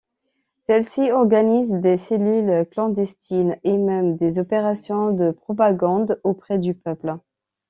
Celle-ci organise des cellules clandestines et mène des opérations de propagande auprès du peuple.